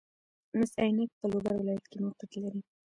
مس عینک په لوګر ولایت کې موقعیت لري